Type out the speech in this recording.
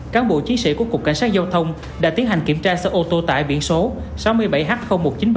cáng bộ chiến sĩ của cục cảnh sát giao thông đã tiến hành kiểm tra sợi ô tô tại biển số sáu mươi bảy h một nghìn chín trăm ba mươi ba